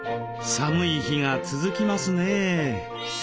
寒い日が続きますね。